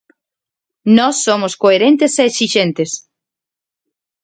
Nós somos coherentes e exixentes.